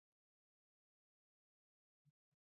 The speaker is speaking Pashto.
افغانستان تر هغو نه ابادیږي، ترڅو نړۍ ته د سولې پیغام ورنکړو.